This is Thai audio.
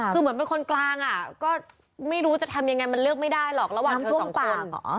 คือเหมือนเป็นคนกลางอ่ะก็ไม่รู้จะทำยังไงมันเลือกไม่ได้หรอกระหว่างช่วงปั่น